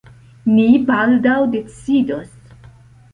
Ni baldaŭ decidos.